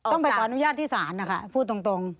ต้องไปขออนุญาตที่ศาลนะคะพูดตรง